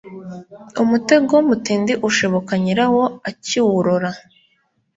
Umutego mutindi ushibuka nyirawo akiwurora.